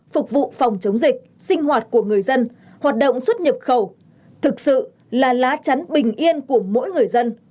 phục vụ phòng chống dịch sinh hoạt của người dân hoạt động xuất nhập khẩu thực sự là lá chắn bình yên của mỗi người dân mỗi gia đình và toàn xã hội